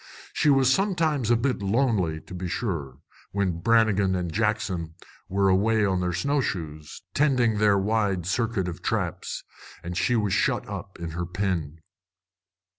She was sometimes a bit lonely, to be sure, when Brannigan and Jackson were away on their snow shoes, tending their wide circuit of traps, and she was shut up in her pen.